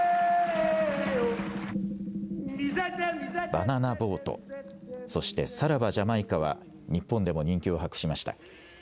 バナナ・ボート、そして、さらばジャマイカは日本でも人気を博しました。